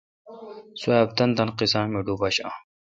سواب تان تان قیسا می ڈوب آشاں۔